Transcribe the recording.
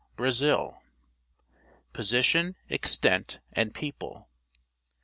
BRAZIL Position, Extent, and People.